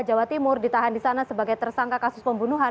jawa timur ditahan di sana sebagai tersangka kasus pembunuhan